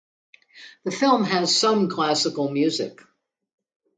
The film has some classical music.